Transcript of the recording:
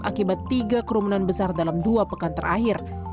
akibat tiga kerumunan besar dalam dua pekan terakhir